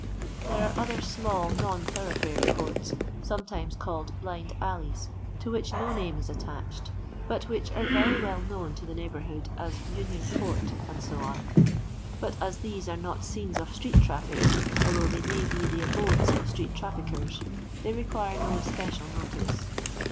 There are other small non thoroughfare courts, sometimes called blind alleys, to which no name is attached, but which are very well known to the neighbourhood as Union court, &c. ; but as these arc not scenes of street traffic, although they may bo the abodes of street traf fickers, they require no especial notice.